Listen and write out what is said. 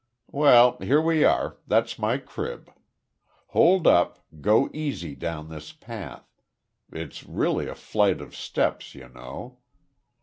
Well, here we are that's my crib. Hold up, go easy down this path. It's really a flight of steps, you know.